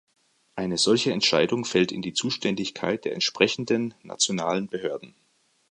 Eine solche Entscheidung fällt in die Zuständigkeit der entsprechenden nationalen Behörden.